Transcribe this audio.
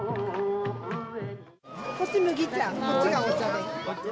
こっちが麦茶こっちがお茶です。